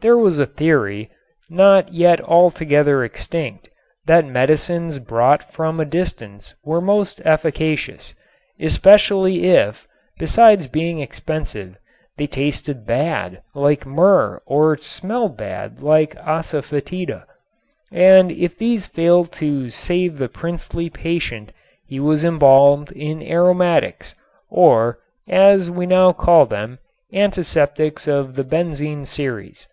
There was a theory, not yet altogether extinct, that medicines brought from a distance were most efficacious, especially if, besides being expensive, they tasted bad like myrrh or smelled bad like asafetida. And if these failed to save the princely patient he was embalmed in aromatics or, as we now call them, antiseptics of the benzene series.